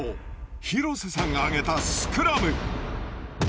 廣瀬さんが挙げた「スクラム」。